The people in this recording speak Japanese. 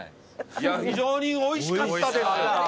非常においしかったです。